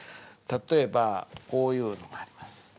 例えばこういうのがあります。